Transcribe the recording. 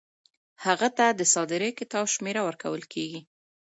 هغه ته د صادرې کتاب شمیره ورکول کیږي.